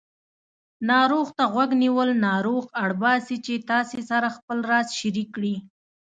ناروغ ته غوږ نیول ناروغ اړباسي چې تاسې سره خپل راز شریک کړي